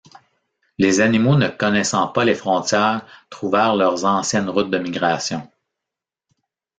Les animaux ne connaissant pas les frontières trouvèrent leurs anciennes routes de migration.